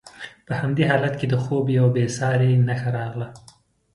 په همدې حالت کې د خوب یوه بې ساري نښه راغله.